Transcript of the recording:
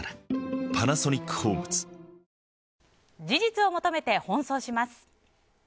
事実を求めて奔走します。